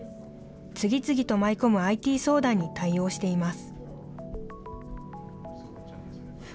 次々と舞い込むＩＴ相談に対応しています。